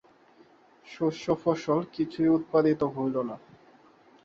শস্য, ফসল কিছুই উৎপাদিত হইল না।